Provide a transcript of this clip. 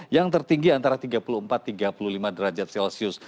yang tertinggi antara tiga puluh empat tiga puluh lima derajat celcius